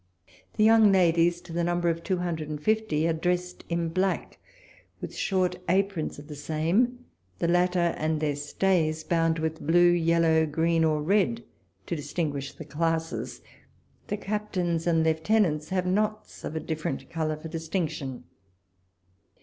The young ladies, to the number of two hundred and fifty, are dressed in black, with short aprons of the same, the latter and their stays bound with blue, yellow, green, or red, to distinguish the classes : the captains and lieutenants have knots of a different colour for distinction.